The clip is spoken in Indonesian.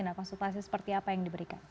nah konsultasi seperti apa yang diberikan